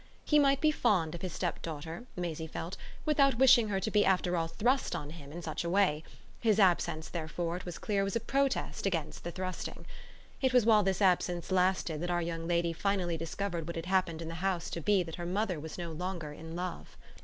He might be fond of his stepdaughter, Maisie felt, without wishing her to be after all thrust on him in such a way; his absence therefore, it was clear, was a protest against the thrusting. It was while this absence lasted that our young lady finally discovered what had happened in the house to be that her mother was no longer in love.